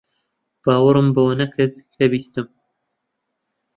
باوەڕم بەوە نەکرد کە بیستم.